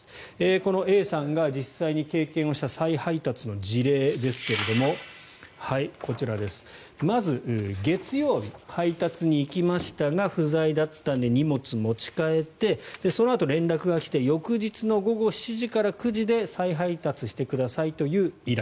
このＡさんが実際に経験した再配達の事例ですがこちら、まず月曜日配達に行きましたが不在だったので荷物持ち帰ってそのあと連絡が来て翌日の午後７時から９時で再配達してくださいという依頼。